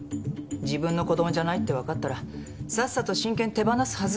自分の子供じゃないってわかったらさっさと親権手放すはず。